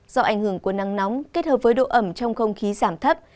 do ảnh hưởng của nắng nóng kết hợp với độ ẩm trong không khí giảm thấp